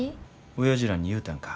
おやじらに言うたんか